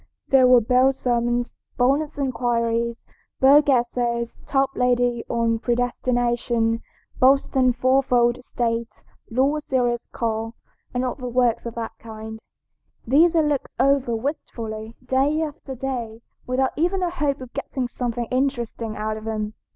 There were Bell's Sermons, Bonnett's Inquiries, Bogue's Essays, Toplady on Predestination, Boston's Fourfold State, Law's Serious Call, and other works of that kind. These I looked over wistfully, day after day, without even a hope of getting something interesting out of them.